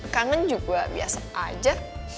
kangen juga biasa aja